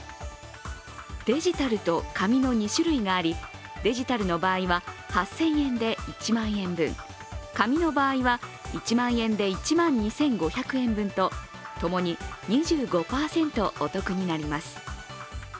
デジタルと紙の２種類がありデジタルの場合は８０００円で１万円分、紙の場合は１万円で１万２５００円分と共に２５％、お得になります。